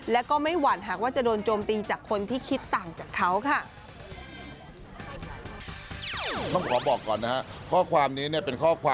แล้วก็ไม่หวั่นหากว่าจะโดนโจมตีจากคนที่คิดต่างจากเขาค่ะ